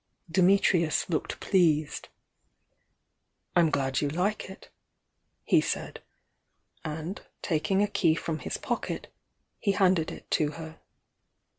Dimitrius looked pleased. "I'm glad you like it," he said — and taking a key from his pocket, he handed it to her.